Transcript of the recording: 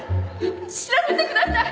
調べてください！